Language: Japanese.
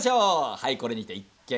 はいこれにて一件落着！